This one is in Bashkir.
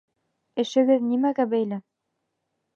Эшегеҙ нимәгә бәйле?